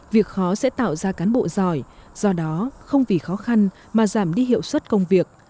việc khó sẽ tạo ra cán bộ giỏi do đó không vì khó khăn mà giảm đi hiệu suất công việc